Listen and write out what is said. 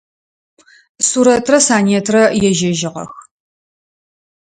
Сурэтрэ Санетрэ ежьэжьыгъэх.